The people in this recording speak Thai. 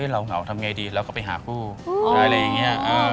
เหงาทำไงดีเราก็ไปหาคู่อะไรอย่างนี้